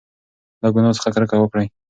له ګناه څخه کرکه وکړئ.